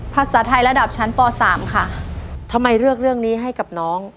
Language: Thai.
ภาษาไทยระดับชั้นปสามค่ะทำไมเลือกเรื่องนี้ให้กับน้อง